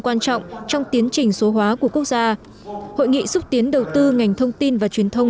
quan trọng trong tiến trình số hóa của quốc gia hội nghị xúc tiến đầu tư ngành thông tin và truyền thông